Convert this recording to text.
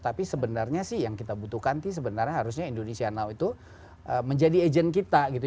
tapi sebenarnya sih yang kita butuhkan sih sebenarnya harusnya indonesia now itu menjadi agent kita gitu